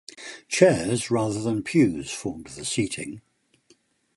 Chairs rather than pews formed the seating.